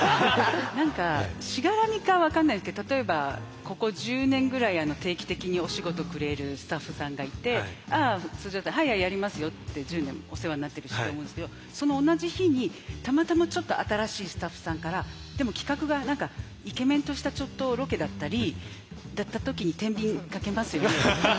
何かしがらみか分かんないですけど例えばここ１０年ぐらい定期的にお仕事くれるスタッフさんがいてああ通常だと「はいはいやりますよ」って１０年お世話になってるしと思うんですけどその同じ日にたまたまちょっと新しいスタッフさんからでも企画が何かイケメンとしたちょっとロケだったりだった時にてんびんかけますよね。